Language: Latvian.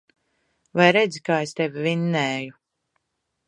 Vai redzi, kā es tevi vinnēju.